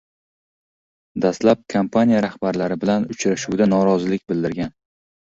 Dastlab kompaniya rahbarlari bilan uchrashuvda norozilik bildirilgan.